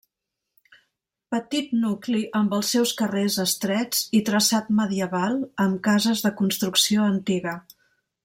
Petit nucli amb els seus carrers estrets i traçat medieval, amb cases de construcció antiga.